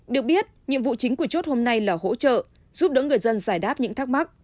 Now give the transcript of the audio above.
được biết nhiệm vụ chính của chốt hôm nay là hỗ trợ giúp đỡ người dân giải đáp những thắc mắc